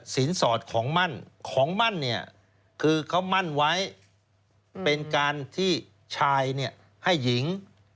สอดของมั่นของมั่นเนี่ยคือเขามั่นไว้เป็นการที่ชายเนี่ยให้หญิง